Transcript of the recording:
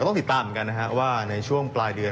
แต่ต้องติดตามกันว่าในช่วงปลายเดือน